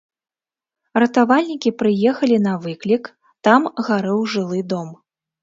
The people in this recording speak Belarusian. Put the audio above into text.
Ратавальнікі прыехалі на выклік, там гарэў жылы дом.